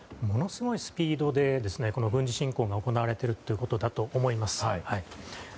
ものすごいスピードでこの軍事侵攻が行われているということだと思います。